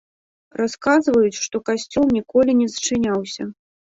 Расказваюць, што касцёл ніколі не зачыняўся.